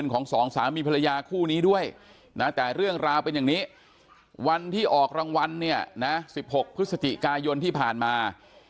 ของสองสามีภรรยาคู่นี้ด้วยนะแต่เรื่องราวเป็นอย่างนี้วันที่ออกรางวัลเนี่ยนะ๑๖พฤศจิกายนที่ผ่านมา